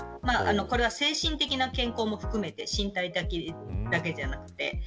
これは精神的な健康も含めて身体だけではなくて。